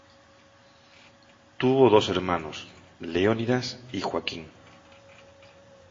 Tuvo dos hermanos: Leonidas y Joaquín.